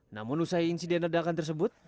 namun usai insiden ledakan tersebut